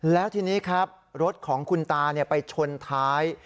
แล้วทีนี้ครับรถของคุณตาไปชนท้าย